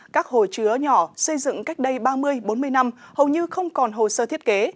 các hồ chứa nhỏ xây dựng cách đây ba mươi bốn mươi năm hầu như không còn hồ sơ thiết kế